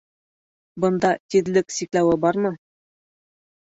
Бында тиҙлек сикләүе бармы?